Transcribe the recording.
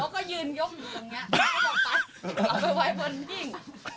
เขาก็ยืนยกอยู่ตรงเนี้ยเอาไปไว้บนจิ้ง